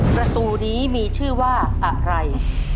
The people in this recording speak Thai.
ประตูนี้มีชื่อว่าอะไร